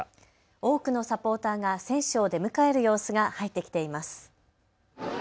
多くのサポーターが選手を出迎える様子が入ってきています。